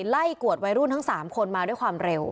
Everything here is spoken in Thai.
กวดวัยรุ่นทั้ง๓คนมาด้วยความเร็ว